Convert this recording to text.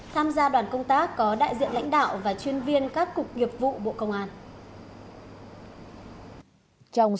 tham gia đoàn công tác có đại diện lãnh đạo và chuyên viên các cục nghiệp vụ bộ công an